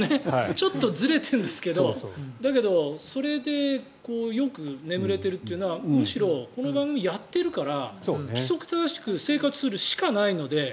ちょっとずれてるんですけどだけど、それでよく眠れてるというのはむしろこの番組をやっているから規則正しく生活するしかないので。